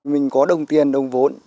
mình có đồng tiền đồng vốn